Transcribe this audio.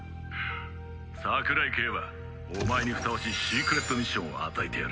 桜井景和お前にふさわしいシークレットミッションを与えてやる。